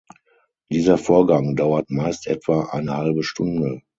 Dieser Vorgang dauert meist etwa eine halbe Stunde.